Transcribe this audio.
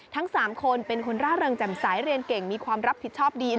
ทั้ง๓คนเป็นคนร่าเริงจำสายเรียนเก่งมีความรับผิดชอบดี